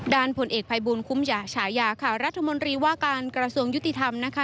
ผลเอกภัยบูลคุ้มฉายาค่ะรัฐมนตรีว่าการกระทรวงยุติธรรมนะคะ